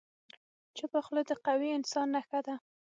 چپه خوله، د قوي انسان نښه ده.